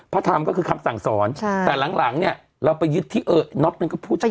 พระธรรมก็คือคำสั่งสอนแต่หลังเนี่ยเราไปยึดที่เออน๊อตมันก็พูดชะเกิน